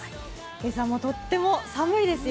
今朝もとっても寒いですよ。